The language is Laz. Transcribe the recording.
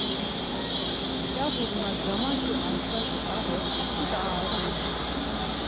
Mǩyapuk na gamaçu arsaşi parate mç̌ita ar araba keç̌opu.